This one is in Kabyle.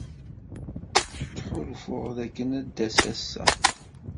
Ttḥulfuɣ dakken ad d-tas ass-a.